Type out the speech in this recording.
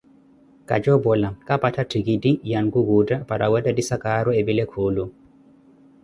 Kajoopola, kapattha ttikitti ya nkukutta para weettettisa caaro epile kuulo.